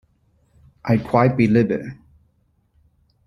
I quite believe it.